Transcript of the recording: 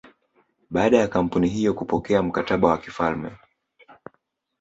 Baada ya kampuni hiyo kupokea mkataba wa kifalme